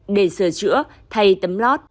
để sửa chữa thay tấm lót